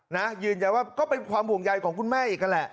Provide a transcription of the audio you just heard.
นะยืนยันว่าก็เป็นความห่วงใยของคุณแม่อีกนั่นแหละ